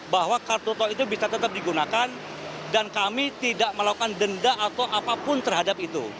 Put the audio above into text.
bahwa kartu tol itu bisa tetap digunakan dan kami tidak melakukan denda atau apapun terhadap itu